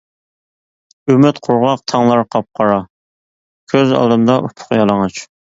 ئۈمىد قۇرغاق تاڭلار قاپقارا. كۆز ئالدىمدا ئۇپۇق يالىڭاچ.